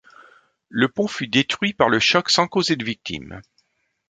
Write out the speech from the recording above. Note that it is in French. Le pont fut détruit par le choc sans causer de victime.